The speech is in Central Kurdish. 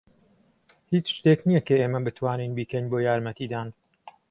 هیچ شتێک نییە کە ئێمە بتوانین بیکەین بۆ یارمەتیدان.